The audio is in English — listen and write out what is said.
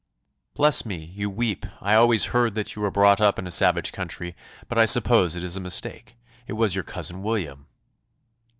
"Bless me, you weep! I always heard that you were brought up in a savage country; but I suppose it is a mistake; it was your cousin William."